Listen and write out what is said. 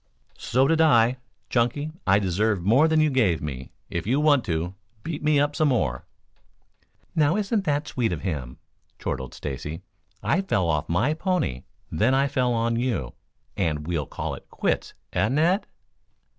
"So did I. Chunky, I deserve more than you gave me. If you want to, beat me up some more." "Now, isn't that sweet of him?" chortled Stacy. "I fell off my pony, then I fell on you, and we'll call it quits, eh, Ned?"